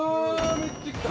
めっちゃ来た。